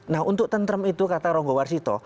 nah untuk tentrem itu kata ronggo warsito